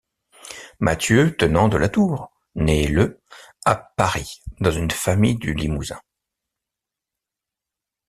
Mathieu Tenant de la Tour naît le à Paris, dans une famille du Limousin.